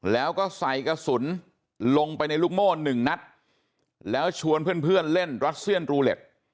แล้วก็ใส่กระสุนลงไปในลูกโม่หนึ่งนัดแล้วชวนเพื่อนเล่นรัสเซียนรูเล็ต